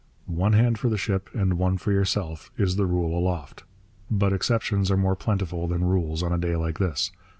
'One hand for the ship and one for yourself' is the rule aloft. But exceptions are more plentiful than rules on a day like this.